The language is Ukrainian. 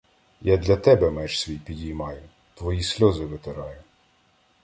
Я для тебе меч свій підіймаю, Твої сльози витираю.